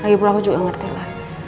lagipula aku juga gak ngerti lah